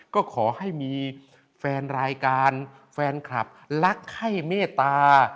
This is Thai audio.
ก็ขอให้มีแฟนรายการแฟนคลับรักไข้เมตตา